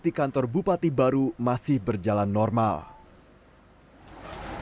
di kantor bupati baru masih berjalan normal sementara itu empat puluh santri pondok modern gontor